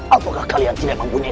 apakah kalian tidak mempunyai